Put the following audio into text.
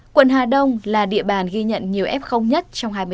quận hà đông là địa bàn ghi nhận nhiều f nhất